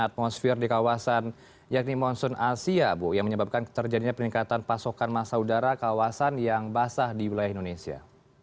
atmosfer di kawasan yakni monsoon asia bu yang menyebabkan terjadinya peningkatan pasokan masa udara kawasan yang basah di wilayah indonesia